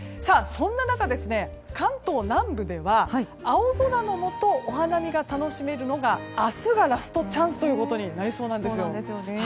そんな中、関東南部では青空のもとお花見が楽しめるのは明日がラストチャンスとなりそうなんですよ。